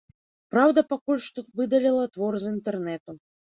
Праўда, пакуль што выдаліла твор з інтэрнэту.